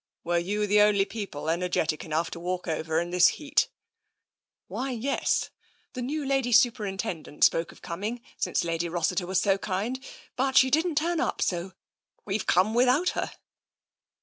" Were you the only people energetic enough to walk over in this heat?" " Why, yes. The new Lady Superintendent spoke of coming since Lady Rossiter was so kind, but she didn't turn up, so we've come without her.''